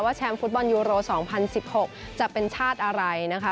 แชมป์ฟุตบอลยูโร๒๐๑๖จะเป็นชาติอะไรนะคะ